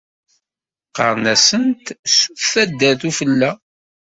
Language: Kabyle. Qqaṛen-asent Sut Taddart Ufella.